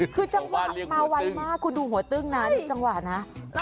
คือจังหวะมาไวมากคุณดูหัวตึ้งนะนี่จังหวะนะ